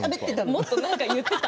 もっと何か言っていた。